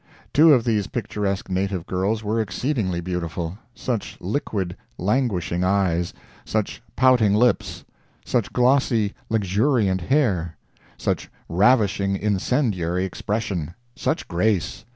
Two of these picturesque native girls were exceedingly beautiful—such liquid, languishing eyes! such pouting lips! such glossy, luxuriant hair! such ravishing, incendiary expression! such grace!